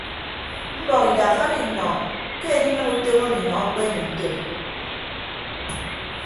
Mbọk idakka do innọ ke edinịm utom emi nọ akpeene ntom.